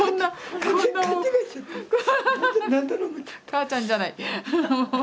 母ちゃんじゃない。